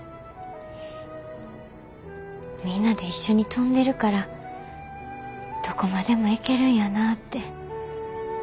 みんなで一緒に飛んでるからどこまでも行けるんやなって。